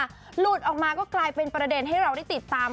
หลุดออกมาก็กลายเป็นประเด็นให้เราได้ติดตาม